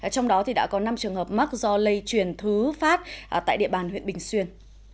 trong đó đã có năm trường hợp mắc do lây truyền thứ phát tại địa bàn huyện bình xuyên